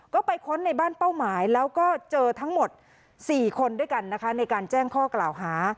ก็ไปค้นในบ้านเป้าหมายแล้วก็เจอทั้งหมด๔คนด้วยกันนะคะในการแจ้งข้อกล่าวหา